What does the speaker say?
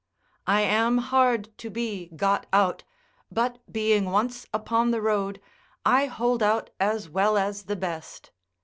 I am hard to be got out, but being once upon the road, I hold out as well as the best.